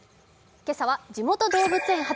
今朝は「地元動物園発！